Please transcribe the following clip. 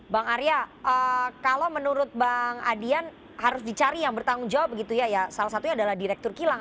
bang arya kalau menurut bang adian harus dicari yang bertanggung jawab begitu ya salah satunya adalah direktur kilang